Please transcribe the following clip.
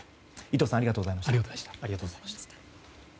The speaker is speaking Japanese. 伊藤さんありがとうございました。